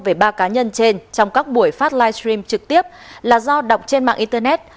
về ba cá nhân trên trong các buổi phát live stream trực tiếp là do đọc trên mạng internet